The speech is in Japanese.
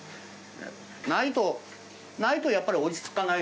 ないとないとやっぱり落ち着かない。